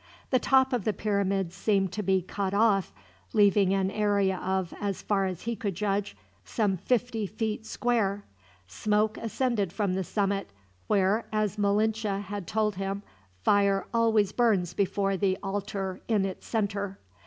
The top of the pyramid seemed to be cut off, leaving an area of, as far as he could judge, some fifty feet square. Smoke ascended from the summit, where, as Malinche had told him, fire always burns before the altar in its center.